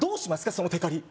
そのテカリ